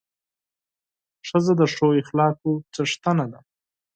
ښځه د ښو اخلاقو څښتنه ده.